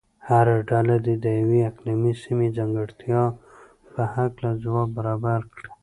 هره ډله دې د یوې اقلیمي سیمې ځانګړتیا په هلکه ځواب برابر کړي.